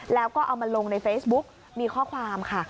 แล้วก็เอามาลงในเฟซบุ๊กมีข้อความค่ะ